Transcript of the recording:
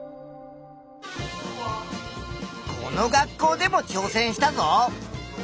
この学校でもちょうせんしたぞ！